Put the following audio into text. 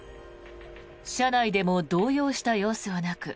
車内でも動揺した様子はなく